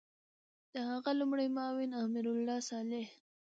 د هغه لومړی معاون امرالله صالح